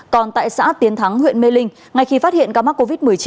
còn tại xã tiến thắng huyện mê linh ngay khi phát hiện ca mắc covid một mươi chín